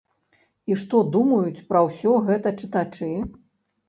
І што думаюць пра ўсё гэта чытачы?